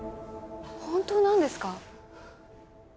本当なんですか？